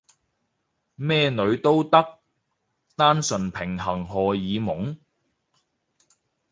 咩女都得？單純平衡荷爾蒙？